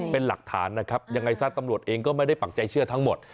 เป็นหลักฐานนะครับยังไงซะตำรวจเองก็ไม่ได้ปักใจเชื่อทั้งหมด